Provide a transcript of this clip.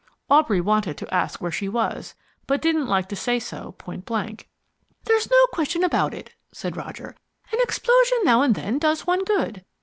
Aubrey wanted to ask where she was, but didn't like to say so point blank. "There's no question about it," said Roger, "an explosion now and then does one good.